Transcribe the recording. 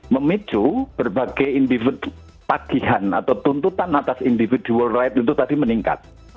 memicu berbagai individu tagihan atau tuntutan atas individual right itu tadi meningkat